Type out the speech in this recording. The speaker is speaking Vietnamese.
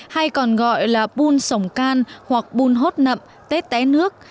hay còn gọi là pun sổng can hoặc pun hốt nậm tết té nước